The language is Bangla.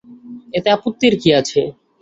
এতে আপত্তির কী আছে?